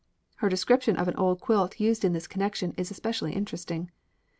Her description of an old quilt used in this connection is especially interesting.